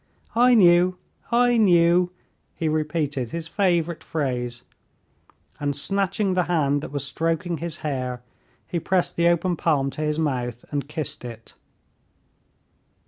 "I knew, I knew!" he repeated his favorite phrase, and snatching the hand that was stroking his hair, he pressed the open palm to his mouth and kissed it.